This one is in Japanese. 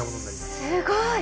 すごい！